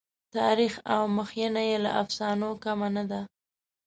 تاریخ او مخینه یې له افسانو کمه نه ده.